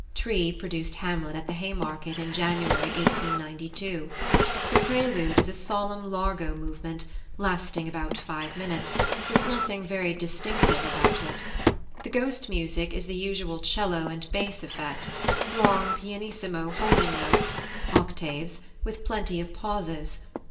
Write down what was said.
Tree produced Hamlet at the Haymarket in January 1892. The prelude is a solemn largo movement, lasting about five minutes, with nothing very distinctive about it. The Ghost music is the usual 'cello and bass effect, long pianissimo holding notes (octaves), with plenty of pauses.